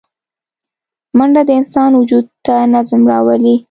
منډه د انسان وجود ته نظم راولي